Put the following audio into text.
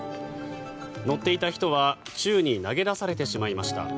乗っていた人は宙に投げ出されてしまいました。